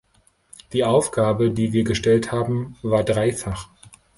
Die Aufgabe, die wir gestellt haben, war dreifach.